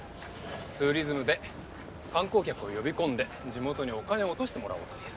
ツーリズムで観光客を呼び込んで地元にお金を落としてもらおうという。